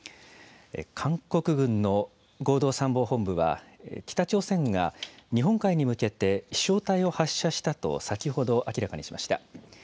韓国軍の合同参謀本部は、北朝鮮が日本海に向けて、飛しょう体を発射したと先ほど、明らかにしました。